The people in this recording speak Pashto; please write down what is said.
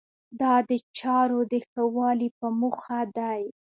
دا د چارو د ښه والي په موخه دی.